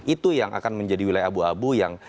itu yang akan menjadi wilayah abu abu yang